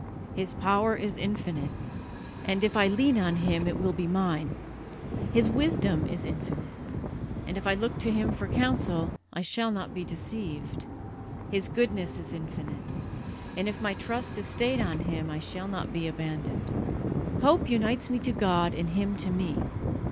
His power is infinite, and if I lean on Him it will be mine; His wisdom is infinite, and if I look to Him for counsel I shall not be deceived; His goodness is infinite, and if my trust is stayed on Him I shall not be abandoned. Hope unites me to God and Him to me.